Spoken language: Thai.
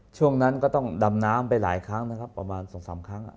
ช่วงนั้นก็ต้องดำน้ำไปหลายครั้งนะครับประมาณ๒๓ครั้ง